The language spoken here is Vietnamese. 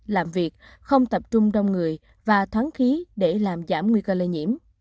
làm việc không tập trung đông người và thoáng khí để làm giảm nguy cơ lây nhiễm